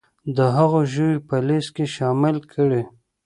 د هغو ژویو په لیست کې شامل کړي